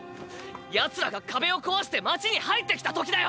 ヤツらが壁を壊して街に入ってきた時だよ！